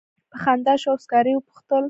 په خندا شو او سکاره یې وپوښتل.